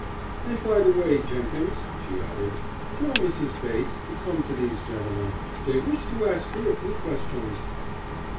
"And, by the way, Jenkins," she added, "tell Mrs. Bates to come to these gentlemen. They wish to ask her a few questions."